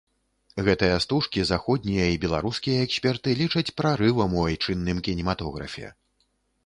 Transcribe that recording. Гэтыя стужкі заходнія і беларускія эксперты лічаць прарывам у айчынным кінематографе.